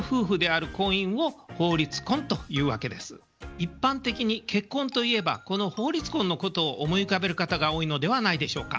一般的に結婚といえばこの法律婚のことを思い浮かべる方が多いのではないでしょうか。